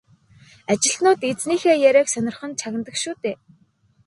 Ажилтнууд эзнийхээ яриаг сонирхон чагнадаг шүү дээ.